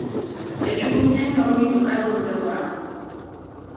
e chunye nowinjo ka duonde wang